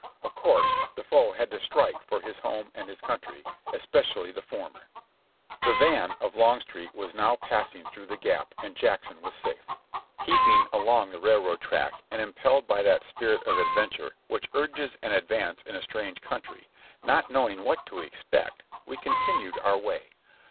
Of course the foe had to strike for his home and his country, especially the former. The van of Longstreet was now passing through the Gap and Jackson was safe. 16 242 JOHNNY REB AND BIIvIvY YANK Keeping along the railroad track, and impelled by that spirit of adventure which urges an advance in a strange country, not knowing what to expect, we continued our way.